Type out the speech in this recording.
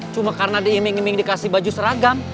cuma karena diiming iming dikasih baju seragam